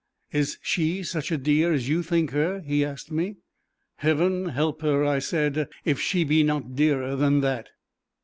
"Is she such a dear as you think her?" he asked me. "Heaven help her," I said, "if she be not dearer than that."